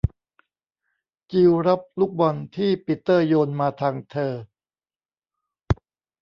จิลรับลูกบอลที่ปีเตอร์โยนมาทางเธอ